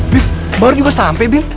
bim baru juga sampe bim